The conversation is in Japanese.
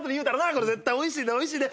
これ絶対おいしいでおいしいで。